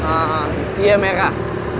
haa dia merah